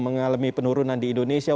mengalami penurunan di indonesia